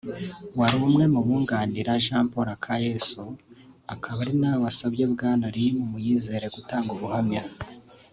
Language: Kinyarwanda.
wari umwe mu bunganiraga Jean Paul Akayesu akaba ari nawe wasabye Bwana Lin Muyizere gutanga ubuhamya